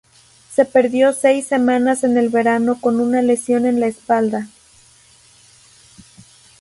Se perdió seis semanas en el verano con una lesión en la espalda.